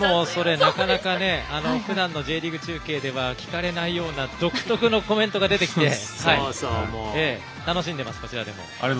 なかなかね、それはふだんのＪリーグ中継では聞かれないような独特のコメントが出てきて楽しんでいます、こちらでも。